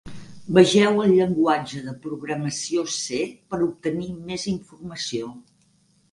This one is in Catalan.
Vegeu el llenguatge de programació C per obtenir més informació.